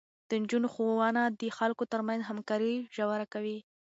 د نجونو ښوونه د خلکو ترمنځ همکاري ژوره کوي.